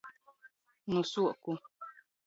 Nu suoku.